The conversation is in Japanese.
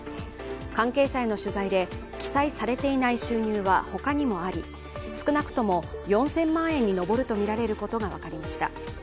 関係者への取材で、記載されていない収入は他にもあり少なくとも４０００万円に上るとみられることが分かりました。